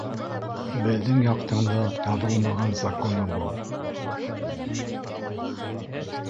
Беҙҙең яҡтың яҙылмаған законы был